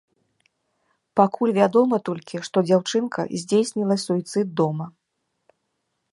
Пакуль вядома толькі, што дзяўчынка здзейсніла суіцыд дома.